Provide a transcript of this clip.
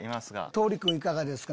桃李君いかがですか？